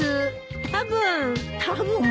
たぶん。たぶん？